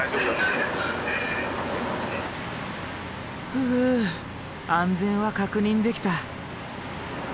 ふぅ安全は確認できた。